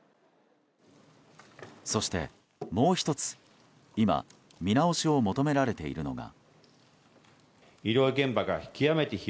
そして、もう１つ今、見直しを求められているのが。